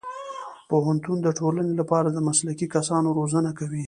پوهنتون د ټولنې لپاره د مسلکي کسانو روزنه کوي.